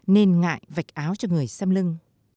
nên ngại vạch áo cho người xem lưng